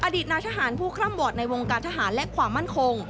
อดีตนายทหารผู้คร่ำวอร์ดในวงการทหารและความมั่นคง